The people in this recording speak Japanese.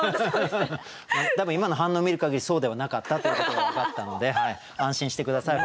多分今の反応見るかぎりそうではなかったということが分かったので安心して下さい。